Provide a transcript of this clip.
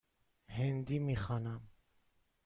هندی می خوانم.